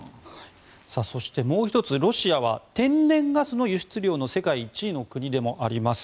そして、もう１つロシアは天然ガスの輸出量の世界一の国でもあります。